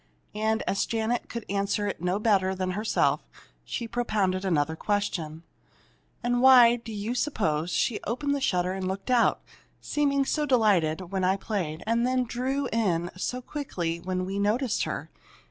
And as Janet could answer it no better than herself, she propounded another question: "And why do you suppose she opened the shutter and looked out, seeming so delighted, when I played, and then drew in again so quickly when we noticed her?